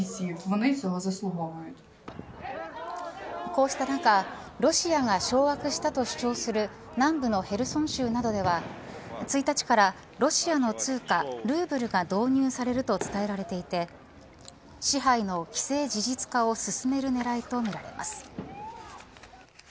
こうした中ロシアが掌握したと主張する南部のヘルソン州などでは１日からロシアの通貨ルーブルが導入されると伝えられていて支配の既成事実化を進める狙いとみられます。